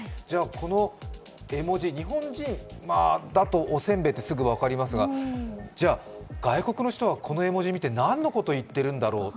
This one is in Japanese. この絵文字、日本人だとおせんべいってすぐ分かりますがじゃあ、外国の人はこの絵文字を見て何のことを言っているんだろうと。